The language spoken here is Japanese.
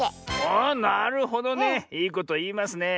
あなるほどね。いいこといいますね。